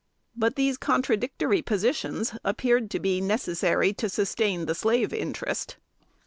But these contradictory positions appeared to be necessary to sustain the slave interest.